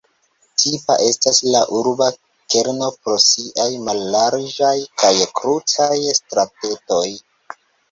Tipa estas la urba kerno pro siaj mallarĝaj kaj krutaj stratetoj.